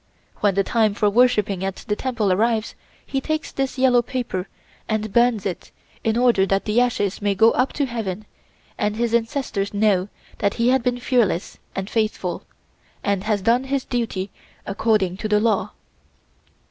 When the time for worshiping at the Temple arrives, he takes this yellow paper and burns it in order that the ashes may go up to Heaven and his ancestors know that he has been fearless and faithful, and has done his duty according to the law.